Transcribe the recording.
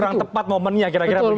kurang tepat momennya kira kira begitu